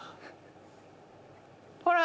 ほら。